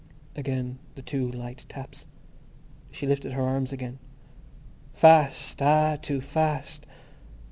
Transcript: Again the two light taps; she lifted her arms again. _Fast! Ah, too Fast.